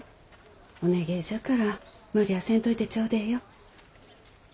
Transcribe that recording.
お願えじゃから無理ゃあせんといてちょうでえよ。